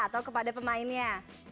atau kepada pemainnya